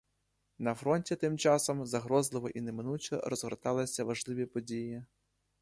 А на фронті, тим часом, загрозливо й неминуче розгорталися важливі події.